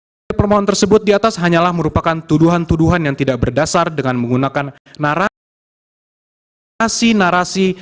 dan perbuatan perbuatan tersebut diatas hanyalah merupakan tuduhan tuduhan yang tidak berdasar dengan menggunakan narasi narasi